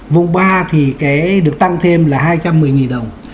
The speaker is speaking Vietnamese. vùng ba thì cái được tăng thêm là hai trăm một mươi đồng